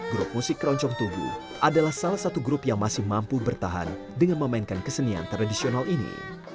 grup musik keroncong tugu adalah salah satu grup yang masih mampu bertahan dengan memainkan kesenian tradisional ini